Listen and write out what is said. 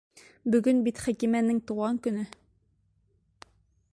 Бөгөн бит Хәкимәнең тыуған көнө!